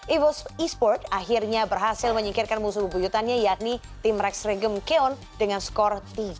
evos esports akhirnya berhasil menyikirkan musuh bujutannya yakni tim rex regum keon dengan skor tiga satu